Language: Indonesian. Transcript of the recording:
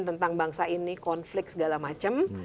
tentang bangsa ini konflik segala macam